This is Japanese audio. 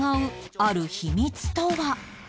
ある秘密とは